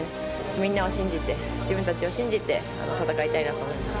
みんなを信じて自分たちを信じて戦いたいなと思います。